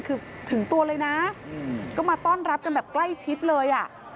คือถึงตัวเลยนะก็มาต้อนรับกันแบบใกล้ชิดเลยอ่ะ